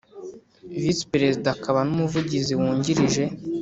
Visi perezida akaba n umuvugizi wungirije